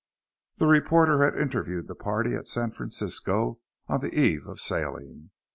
The reporter had interviewed the party at San Francisco, on the eve of sailing.